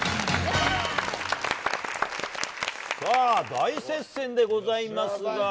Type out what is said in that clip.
大接戦でございますが。